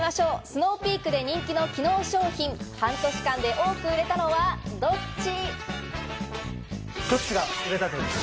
スノーピークで人気の機能商品、半年間で多く売れたのはどっち？